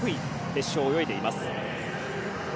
決勝を泳いでいます。